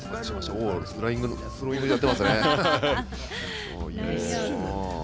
スローイングもやってますね。